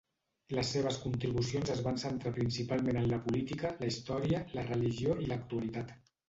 Les seves contribucions es van centrar principalment en la política, la història, la religió i l'actualitat.